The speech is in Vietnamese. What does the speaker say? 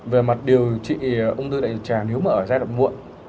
về mặt điều trị ung thư đại trà nếu mà ở giai đoạn muộn